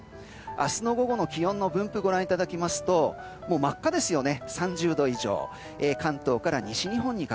明日の午後の気温分布をご覧いただきますと真っ赤ですよね。